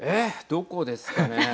どこですかね。